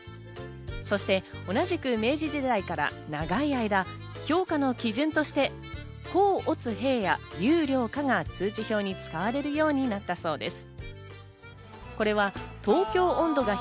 そして同じく明治時代から長い間、評価の基準として、甲乙丙や優良可が通知表に使われるようになったそうです。